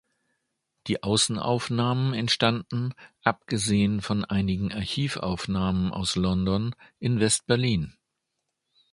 Die Außenaufnahmen entstanden, abgesehen von einigen Archivaufnahmen aus London, in West-Berlin.